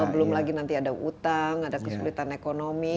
belum lagi nanti ada utang ada kesulitan ekonomi